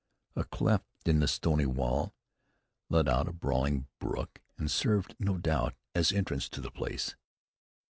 A cleft in the stony wall let out a brawling brook, and served, no doubt, as entrance to the place.